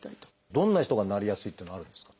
どんな人がなりやすいっていうのはあるんですか？